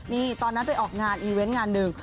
นี่ตอนนั้นไปออกงานอีเวนต์งานหนึ่ง